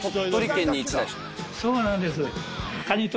そうなんです。